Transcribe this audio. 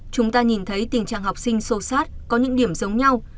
chúng ta nhìn thấy tình trạng học sinh sâu sát có những điểm giống nhau